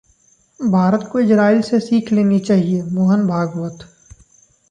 भारत को इजराइल से सीख लेनी चाहिए: मोहन भागवत